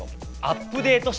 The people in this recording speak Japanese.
アップデート？